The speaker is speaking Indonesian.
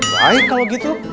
baik kalau gitu